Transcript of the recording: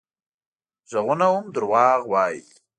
غږونه هم دروغ وايي